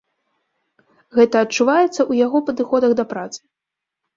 Гэта адчуваецца ў яго падыходах да працы.